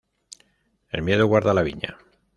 El miedo guarda la viña